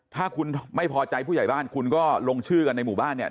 ถ้าคุณไม่พอใจผู้ใหญ่บ้านคุณก็ลงชื่อกันในหมู่บ้านเนี่ย